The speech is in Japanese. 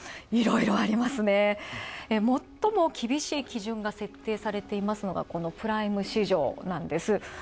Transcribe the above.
いろいろありますねもっとも厳しい基準が設定されていますのがこのプライム市場なんです。